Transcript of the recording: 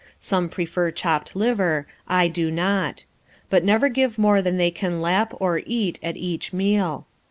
Some prefer chopped liver; I do not; but never give more than they can lap or eat at each meal.